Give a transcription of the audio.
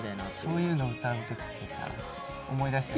そういうの歌う時ってさ思い出したりする？